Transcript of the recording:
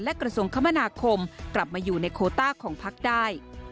และกระทรวงคมนาคมกลับมาอยู่ในโคต้าของพักได้